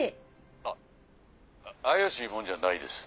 あっ怪しい者じゃないです。